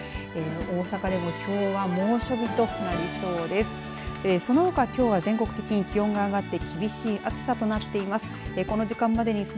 大阪でもきょうは猛暑日となりそうです。